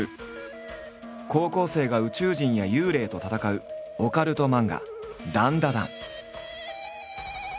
高校生が宇宙人や幽霊と戦うオカルト漫画「ダンダダン」。